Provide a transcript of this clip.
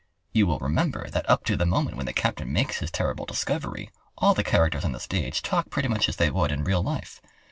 You will remember that up to the moment when the captain makes his terrible discovery all the characters on the stage talk pretty much as they would, in real life.